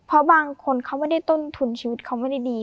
เพราะบางคนเขาไม่ได้ต้นทุนชีวิตเขาไม่ได้ดี